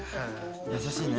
優しいね。